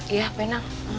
iya bu endang